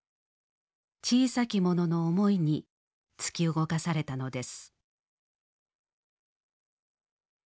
「小さきもの」の思いに突き動かされたのです。